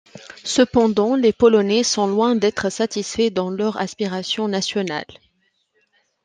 Cependant les Polonais sont loin d'être satisfait dans leurs aspirations nationales.